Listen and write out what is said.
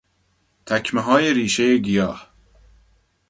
تکمههای ریشهی گیاه